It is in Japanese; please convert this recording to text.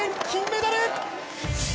金メダル。